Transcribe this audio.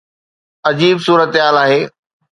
عجيب صورتحال آهي.